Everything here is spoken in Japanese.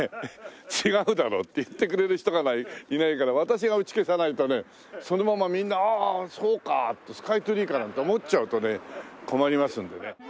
「違うだろ」って言ってくれる人がいないから私が打ち消さないとねそのままみんな「ああそうか。スカイツリーか」なんて思っちゃうとね困りますんでね。